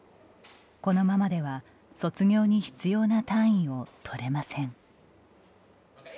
このままでは卒業に必要な単位を取れません。